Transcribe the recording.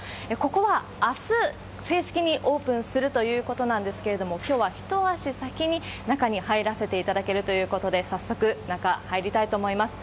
ここは、あす、正式にオープンするということなんですけれども、きょうは一足先に中に入らせていただけるということで、早速、中入りたいと思います。